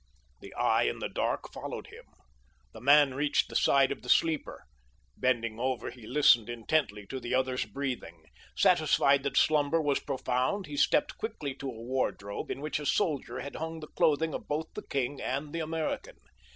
The eye in the dark followed him. The man reached the side of the sleeper. Bending over he listened intently to the other's breathing. Satisfied that slumber was profound he stepped quickly to a wardrobe in which a soldier had hung the clothing of both the king and the American.